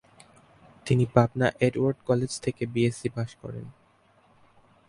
তিনি Pabna Edward college থেকে BSc pass করেন।